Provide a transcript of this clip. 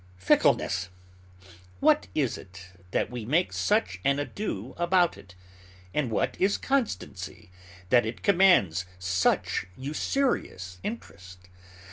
Fickleness! what is it, that we make such an ado about it? And what is constancy, that it commands such usurious interest?